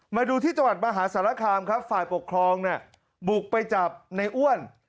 มาดูที่จังหวัดมหาสารคามครับฝ่ายปกครองเนี่ยบุกไปจับในอ้วน